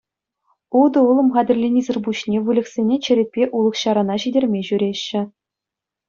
Утӑ-улӑм хатӗрленисӗр пуҫне выльӑхсене черетпе улӑх-ҫарана ҫитерме ҫӳреҫҫӗ.